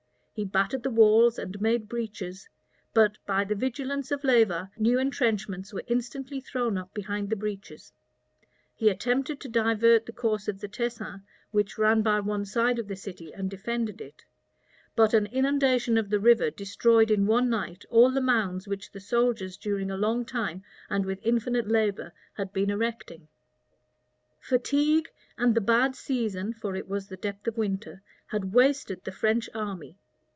He battered the walls and made breaches; but, by the vigilance of Leyva, new retrenchments were instantly thrown up behind the breaches: he attempted to divert the course of the Tesin, which ran by one side of the city and defended it; but an inundation of the river destroyed in one night all the mounds which the soldiers during a long time, and with infinite labor, had been erecting. * Guicciard. lib. xv. Du Bellai, lib. ii. {1525.} Fatigue and the bad season (for it was the depth of winter) had wasted the French army.